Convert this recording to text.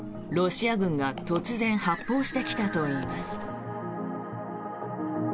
ロシア軍が突然、発砲してきたといいます。